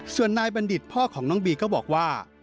ส่วนนายบัณฑิตพ่อของน้องบีก็บอกว่า